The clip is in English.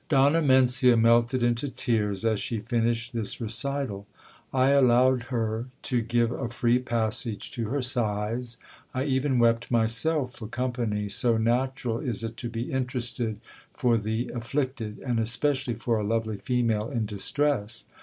Donna Mencia melted into tears as she finished this recital. I allowed her to give a free passage to her sighs ; I even wept myself for company, so natural is it to be interested for the afflicted, and especially for a lovely female in clistress.